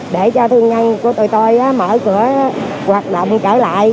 để cho thương nhân của tụi tôi mở cửa hoạt động trở lại